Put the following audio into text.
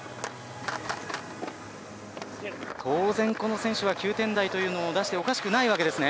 当然この選手は９点台というのを出しておかしくないわけですね。